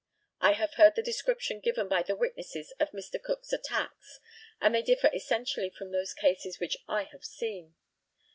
I have heard the description given by the witnesses of Mr. Cook's attacks, and they differ essentially from those cases which I have seen.